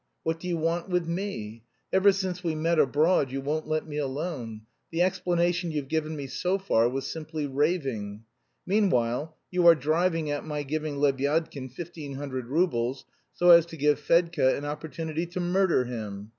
What do you want with me? Ever since we met abroad you won't let me alone. The explanation you've given me so far was simply raving. Meanwhile you are driving at my giving Lebyadkin fifteen hundred roubles, so as to give Fedka an opportunity to murder him.